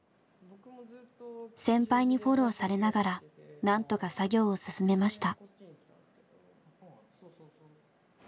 先輩にフォローされながらなんとか作業を進めました。